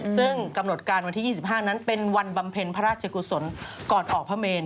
ซึ่งกำหนดการวันที่๒๕นั้นเป็นวันบำเพ็ญพระราชกุศลก่อนออกพระเมน